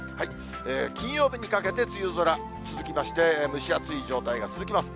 金曜日にかけて梅雨空続きまして、蒸し暑い状態が続きます。